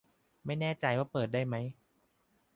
ไม่แน่ใจว่าได้เปิดไหม